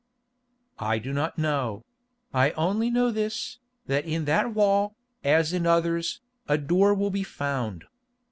"I do not know; I only know this, that in that wall, as in others, a door will be found.